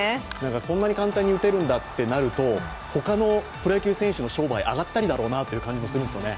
こんなに簡単に打てるんだとなると、ほかのプロ野球選手のあがったりだろうなという感じがするんですよね。